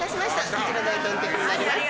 こちら大とんてきになります。